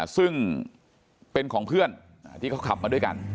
ซึ่งเป็นของเพื่อนที่เขาขับมาด้วยกัน